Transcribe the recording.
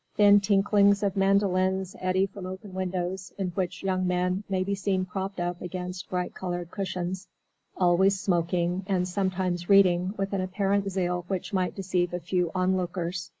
Thin tinklings of mandolins eddy from open windows, in which young men may be seen propped up against bright coloured cushions, always smoking, and sometimes reading with an apparent zeal which might deceive a few onlookers.